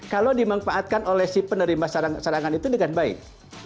kalau dimanfaatkan oleh si penerima serangan itu dengan baik